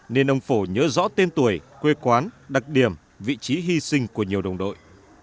nên ông phổ nhớ rõ tên tuổi quê quán đặc điểm vị trí hy sinh của nhiều đồng đội